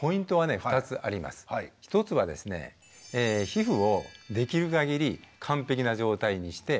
皮膚をできる限り完璧な状態にして。